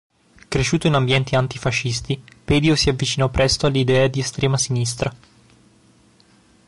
Cresciuto in ambienti antifascisti, Pedio si avvicinò presto alle idee di estrema sinistra.